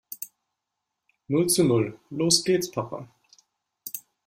Null zu Null. Los gehts Papa.